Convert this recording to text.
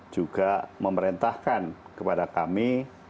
juga memerintahkan kepada kami